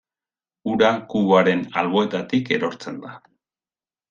Ura kuboaren alboetatik erortzen da.